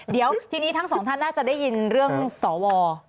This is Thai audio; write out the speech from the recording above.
เดี๋ยวทีนี้ทั้งสองท่านน่าจะได้ยินเรื่องสว